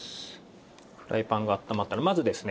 フライパンが温まったらまずですね